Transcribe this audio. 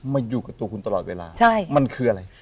มาอยู่กับตัวคุณตลอดเวลามันคืออะไร